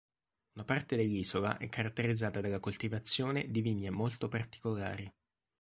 Una parte dell'isola è caratterizzata dalla coltivazione di vigne molto particolari.